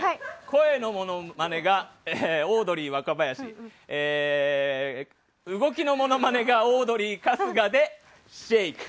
声のモノマネがオードリー若林動きのモノマネがオードリー春日でシェイク。